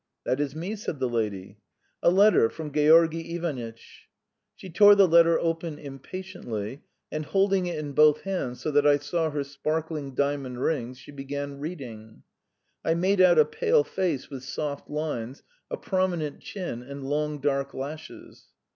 "That is me," said the lady. "A letter from Georgy Ivanitch." She tore the letter open impatiently, and holding it in both hands, so that I saw her sparkling diamond rings, she began reading. I made out a pale face with soft lines, a prominent chin, and long dark lashes.